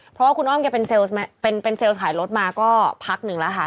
เพราะว่าคุณอ้อมแกเป็นเซลล์ขายรถมาก็พักหนึ่งแล้วค่ะ